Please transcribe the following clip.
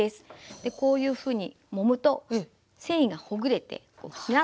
でこういうふうにもむと繊維がほぐれてふにゃっとなりますね。